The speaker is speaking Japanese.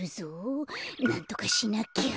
なんとかしなきゃ。